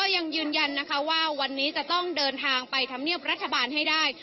ยังยืนยันนะคะว่าวันนี้จะต้องเดินทางไปทำเนียบรัฐบาลให้ได้